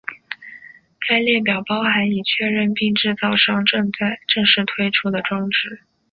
该列表包含已确认并制造商正式推出的装置。